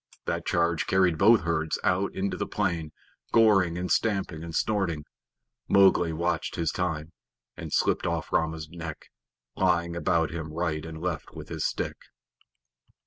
That charge carried both herds out into the plain, goring and stamping and snorting. Mowgli watched his time, and slipped off Rama's neck, laying about him right and left with his stick.